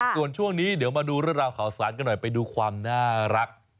ส่วนช่วงนี้เดี๋ยวมาดูเรื่องราวข่าวสารกันหน่อยไปดูความน่ารัก